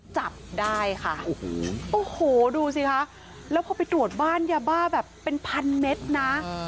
จับได้ค่ะโอ้โหดูสิคะแล้วพอไปตรวจบ้านยาบ้าแบบเป็นพันเมตรนะ